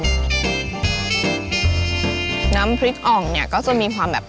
น้ำพริกอ่องเนี่ยก็จะมีความแบบ